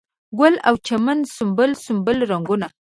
ګل او چمن سنبل، سنبل رنګونه